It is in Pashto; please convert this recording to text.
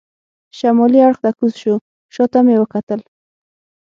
شمالي اړخ ته کوز شو، شا ته مې وکتل.